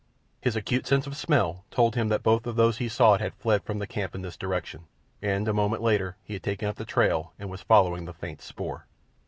His acute sense of smell told him that both of those he sought had fled from the camp in this direction, and a moment later he had taken up the trail and was following the faint spoor.